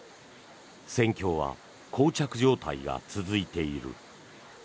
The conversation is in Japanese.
戦況はこう着状態が続いている。